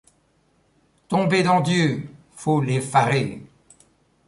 Tombez dans Dieu, foule effarée !